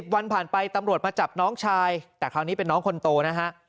วันผ่านไปตำรวจมาจับน้องชายแต่คราวนี้เป็นน้องคนโตนะฮะ